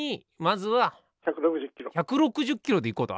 １６０キロでいこうと。